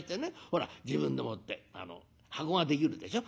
ほら自分でもって箱ができるでしょ。